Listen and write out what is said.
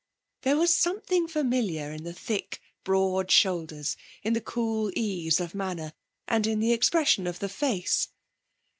There was something familiar in the thick, broad shoulders, in the cool ease of manner, and in the expression of the face.